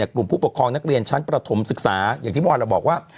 กลุ่มผู้ปกครองนักเรียนชั้นประถมศึกษาอย่างที่เมื่อวานเราบอกว่า